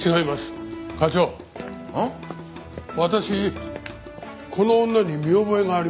私この女に見覚えがあります。